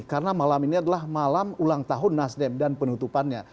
karena malam ini adalah malam ulang tahun nasdem dan penutupannya